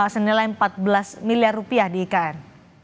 senilai empat belas miliar rupiah di ikn